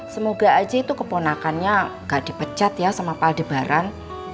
semoga aja itu keponakannya gak dipecat ya sama paldebaran